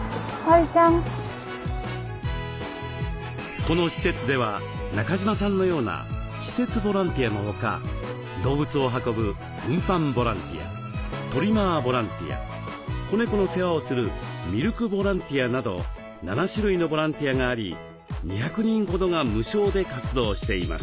この施設では中島さんのような施設ボランティアのほか動物を運ぶ運搬ボランティアトリマーボランティア子猫の世話をするミルクボランティアなど７種類のボランティアがあり２００人ほどが無償で活動しています。